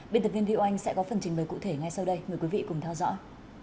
bên tập viên điệu anh sẽ có phần trình bày cụ thể ngay sau đây mời quý vị cùng theo dõi